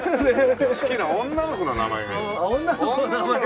好きな女の子の名前がいい。